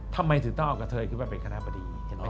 ทำไมถึงต้องเอากับเธอยี่คือว่าเป็นคณะบดี